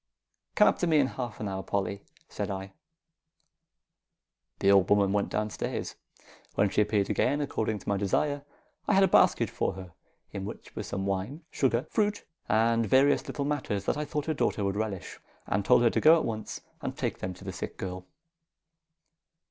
"Come up to me in half an hour, Polly," said I. The old woman went down stairs. When she appeared again, according to my desire, I had a basket for her, in which were some wine, sugar, fruit, and various little matters that I thought her daughter would relish, and told her to go at once and take them to the sick girl.